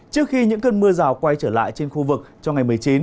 trước khi những cơn mưa rào quay trở lại trên khu vực trong ngày một mươi chín